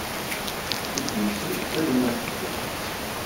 Tiddi-nsen d talemmast kan.